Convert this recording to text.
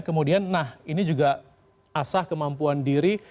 kemudian nah ini juga asah kemampuan diri